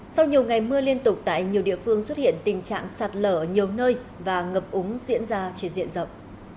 sau nhiều ngày mưa liên tục tại nhiều địa phương xuất hiện tình trạng sạt lở ở nhiều nơi và ngập úng diễn ra trên diện rộng